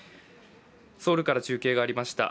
ソウルから中継がありました。